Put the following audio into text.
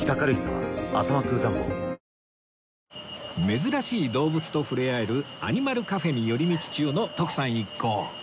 珍しい動物と触れ合えるアニマルカフェに寄り道中の徳さん一行